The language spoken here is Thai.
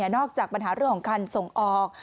นอกจากปัญหาเรื่องของการส่งออก